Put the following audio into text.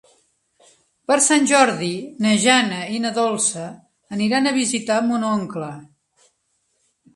Per Sant Jordi na Jana i na Dolça aniran a visitar mon oncle.